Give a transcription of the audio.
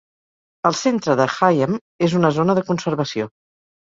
El centre de Higham és una zona de conservació.